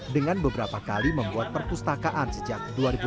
dengan beberapa kali membuat perpustakaan sejak dua ribu tiga